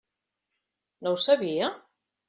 No ho sabia?